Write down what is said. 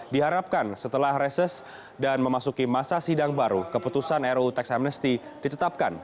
diharapkan setelah reses dan memasuki masa sidang baru keputusan ruu teks amnesty ditetapkan